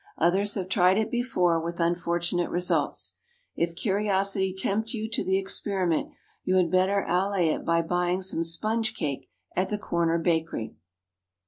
Others have tried it before, with unfortunate results. If curiosity tempt you to the experiment, you had better allay it by buying some sponge cake at the corner bakery.